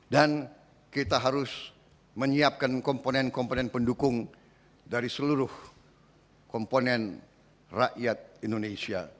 dan kita harus menyiapkan komponen komponen pendukung dari seluruh komponen rakyat indonesia